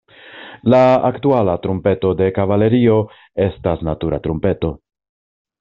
La aktuala trumpeto de kavalerio estas natura trumpeto.